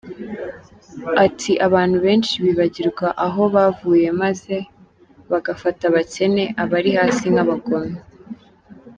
Ati:” Abantu benshi bibagirwa aho bavuye maze bagafata abakene, abari hasi nk’abagome”.